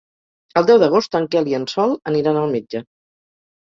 El deu d'agost en Quel i en Sol aniran al metge.